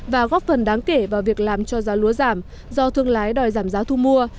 và góp phần đáng kể vào việc làm cho giá lúa giảm do thương lái đòi giảm giá thu mua